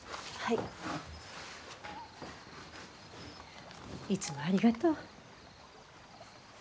いつもありがとう。